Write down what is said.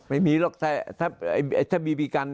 ไม่มีหรอกถ้าบีบีกัน